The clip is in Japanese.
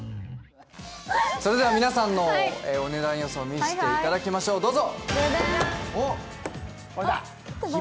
それでは皆さんのお値段予想見せていただきましょう、どうぞ。